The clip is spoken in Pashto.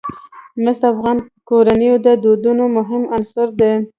مس د افغان کورنیو د دودونو مهم عنصر دی.